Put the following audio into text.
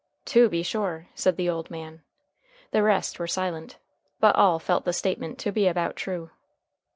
"To be sure," said the old man. The rest were silent, but all felt the statement to be about true.